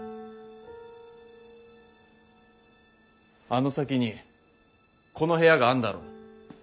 あの先にこの部屋があんだろ？